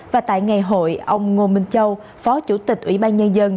và tại ngày hội ông ngô minh châu phó chủ tịch ủy ban nhân dân